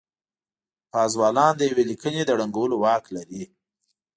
پازوالان د يوې ليکنې د ړنګولو واک لري.